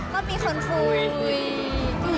งั้นมีคนคุย